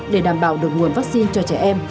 để đảm bảo được nguồn vaccine cho trẻ em